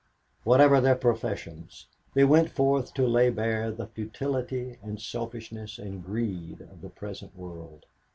Whatever their professions, they went forth to lay bare the futility and selfishness and greed of the present world.